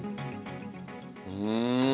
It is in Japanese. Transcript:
うん！